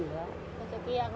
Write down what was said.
dan nggak pernah berkekurangan bu